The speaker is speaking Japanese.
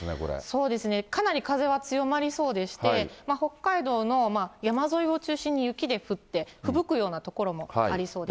そうですね、かなり風は強まりそうでして、北海道の山沿いを中心に雪で降って、ふぶくような所もありそうです。